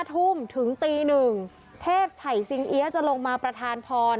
๕ทุ่มถึงตี๐๑๐๐เทพชัยสิงเยี๊ยจะลงมาประธานพร